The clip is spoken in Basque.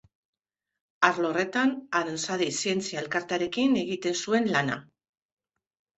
Arlo horretan Aranzadi Zientzia Elkartearekin egiten zuen lana.